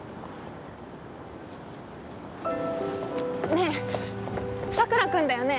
ねえ、佐倉君だよね。